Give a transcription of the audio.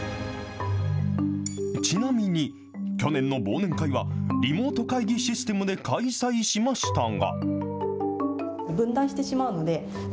ちなみに、去年の忘年会は、リモート会議システムで開催しましたが。